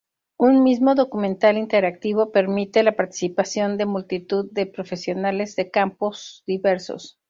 Un mismo documental interactivo permite la participación de multitud de profesionales de campos diversos.